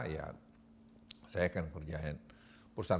ya saya akan kerjain perusahaan